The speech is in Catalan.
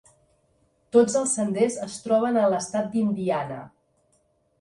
Tots els senders es troben a l'estat d'Indiana.